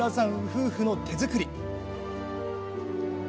夫婦の手作り。